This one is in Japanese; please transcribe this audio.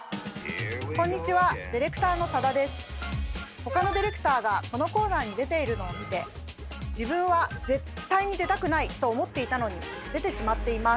他のディレクターがこのコーナーに出ているのを見て自分は絶対に出たくないと思っていたのに出てしまっています。